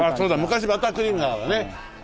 昔バタークリームだからね。